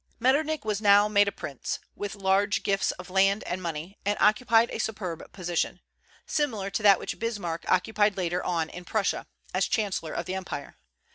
Metternich was now made a prince, with large gifts of land and money, and occupied a superb position, similar to that which Bismarck occupied later on in Prussia, as chancellor of the empire.